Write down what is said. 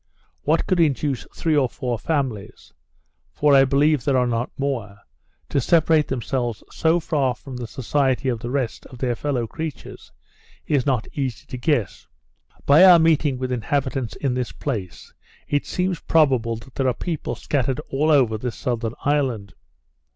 What could induce three or four families (for I believe there are not more) to separate themselves so far from the society of the rest of their fellow creatures, is not easy to guess. By our meeting with inhabitants in this place, it seems probable that there are people scattered over all this southern island.